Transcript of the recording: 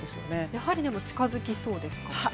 やはり近づきそうですか？